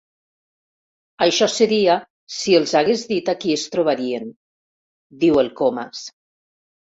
Això seria si els hagués dit a qui es trobarien —diu el Comas—.